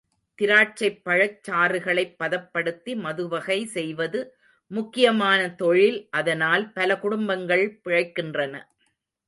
திராட்சைப் பழச் சாறுகளைப் பதப்படுத்தி மதுவகை செய்வது முக்கியமான தொழில் அதனால் பல குடும்பங்கள் பிழைக்கின்றன.